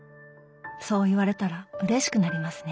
そう言われたらうれしくなりますね。